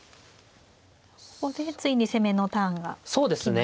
ここでついに攻めのターンが来ますね。